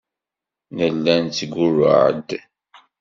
Nella nettgurruɛ-d.